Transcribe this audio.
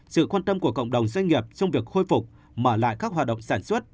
sự quan tâm của cộng đồng doanh nghiệp trong việc khôi phục mở lại các hoạt động sản xuất